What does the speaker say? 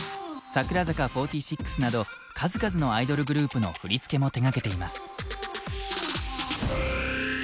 櫻坂４６など数々のアイドルグループの振り付けも手がけています。